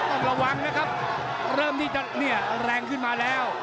ต้องระวังนะครับเริ่มที่จะเนี่ยแรงขึ้นมาแล้ว